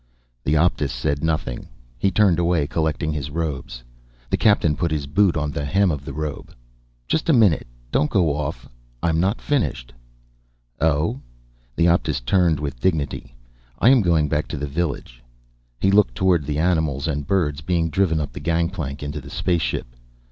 The Optus said nothing. He turned away, collecting his robes. The Captain put his boot on the hem of the robe. "Just a minute. Don't go off. I'm not finished." "Oh?" The Optus turned with dignity. "I am going back to the village." He looked toward the animals and birds being driven up the gangplank into the spaceship.